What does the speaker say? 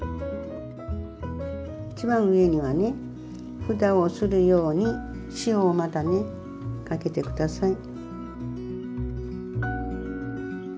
一番上にはねふたをするように塩をまたねかけてください。